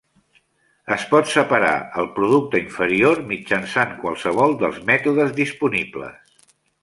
Es pot separar el producte inferior mitjançant qualsevol dels mètodes disponibles.